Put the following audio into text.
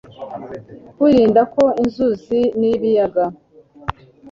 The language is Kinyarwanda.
kwirinda ko inzuzi n'ibiyaga